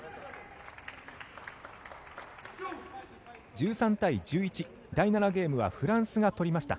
１３対１１、第７ゲームはフランスが取りました。